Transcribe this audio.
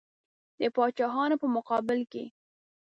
د پاچاهانو په مقابل کې.